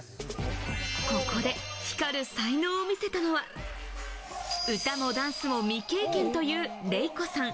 ここで光る才能を見せたのは歌もダンスも未経験というレイコさん。